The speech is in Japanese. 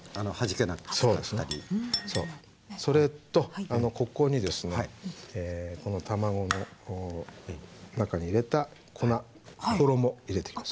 それとここにですねこの卵の中に入れた粉衣入れてきます。